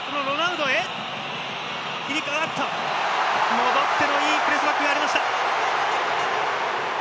戻ってのいいプレスがありました。